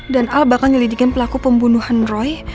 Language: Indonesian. dan al bahkan ngilidikan pelaku pembunuhan roy